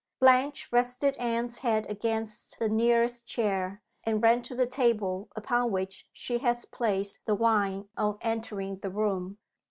Blanche rested Anne's head against the nearest chair, and ran to the table upon which she had placed the wine on entering the room.